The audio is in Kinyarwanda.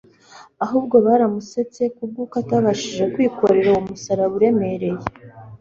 Ahubwo baramusetse kubw'uko atabashije kwikorera uwo musaraba uremereye.